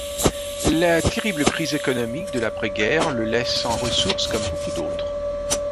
La terrible crise économique de l’après-guerre le laisse sans ressources comme beaucoup d’autres.